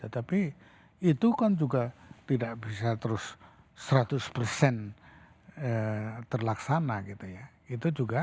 tapi itu kan juga tidak bisa terus seratus persen terlaksana gitu ya